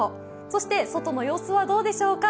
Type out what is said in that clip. そして外の様子はどうでしょうか。